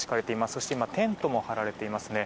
そして今テントも張られていますね。